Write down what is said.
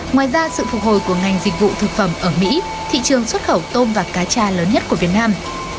ngoài ra sự phục hồi của ngành dịch vụ thực phẩm ở mỹ thị trường xuất khẩu tôm và cá trà lớn nhất của việt nam